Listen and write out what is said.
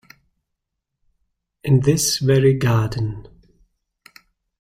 In this very garden.